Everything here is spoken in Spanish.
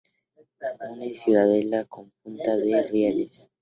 Une Ciudadela con Punta de Rieles.